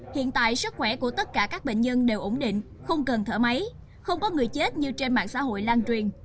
hiện tại sức khỏe của tất cả các bệnh nhân đều ổn định không cần thở máy không có người chết như trên mạng xã hội lan truyền